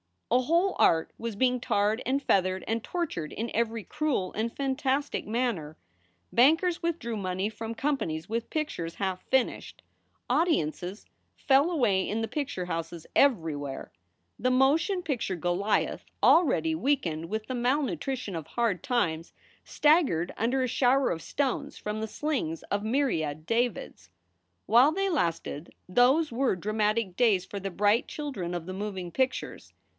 A whole art was being tarred and feathered and tortured in every cruel and fantastic manner. Bankers withdrew money from companies with pictures half finished. Audi ences fell away in the picture houses everywhere. The 24 8 SOULS FOR SALE motion picture Goliath, already weakened with the mal nutrition of hard times, staggered under a shower of stones from the slings of myriad Davids. While they lasted those were dramatic days for the bright children of the moving pictures.